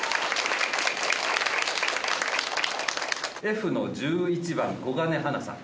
Ｆの１１番小金花奈さん。